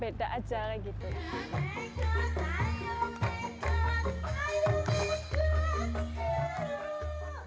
beda aja lah gitu